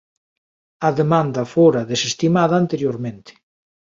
A demanda fora desestimada anteriormente.